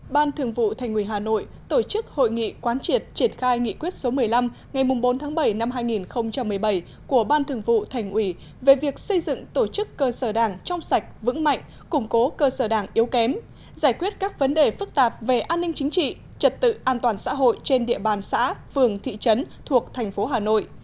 ban thường vụ thành ủy hà nội tổ chức hội nghị quán triệt triển khai nghị quyết số một mươi năm ngày bốn tháng bảy năm hai nghìn một mươi bảy của ban thường vụ thành ủy về việc xây dựng tổ chức cơ sở đảng trong sạch vững mạnh củng cố cơ sở đảng yếu kém giải quyết các vấn đề phức tạp về an ninh chính trị trật tự an toàn xã hội trên địa bàn xã phường thị trấn thuộc thành phố hà nội